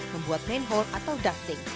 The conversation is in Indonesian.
membuat manhole atau ducting